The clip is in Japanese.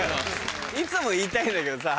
いつも言いたいんだけどさぁ。